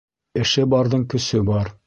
Эше барҙың көсө бар.